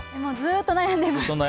ずっと悩んでます。